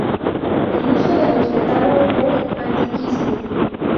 El uso de los legados es antiquísimo.